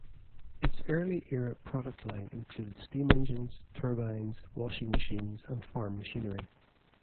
Its early-era product line included steam engines, turbines, washing machines, and farm machinery.